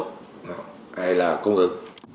đó đấy là cung ứng